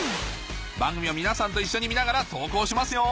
番組を皆さんと一緒に見ながら投稿しますよ